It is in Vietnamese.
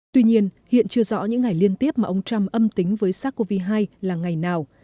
tuy nhiên hiện chưa rõ những ngày liên tiếp mà ông trump âm tính với sars cov hai là ngày nào